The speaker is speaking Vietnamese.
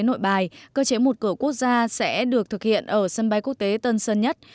nội bài cơ chế một cửa quốc gia sẽ được thực hiện ở sân bay quốc tế tân sơn nhất